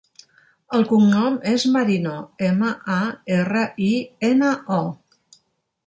El cognom és Marino: ema, a, erra, i, ena, o.